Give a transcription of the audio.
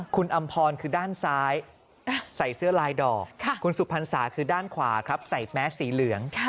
คุณอำพรคือด้านซ้ายใส่เสื้อลายดอกคุณสุพรรษาคือด้านขวาครับใส่แมสสีเหลือง